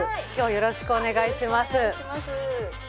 よろしくお願いします。